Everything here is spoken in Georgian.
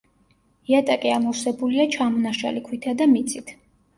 იატაკი ამოვსებულია ჩამონაშალი ქვითა და მიწით.